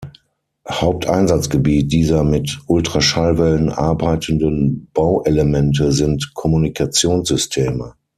Haupteinsatzgebiet dieser mit Ultraschallwellen arbeitenden Bauelemente sind Kommunikationssysteme.